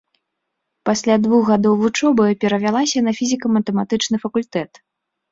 Пасля двух гадоў вучобы перавялася на фізіка-матэматычны факультэт.